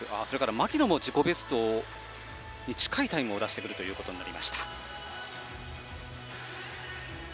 牧野も自己ベストに近いタイムを出してくることになりました。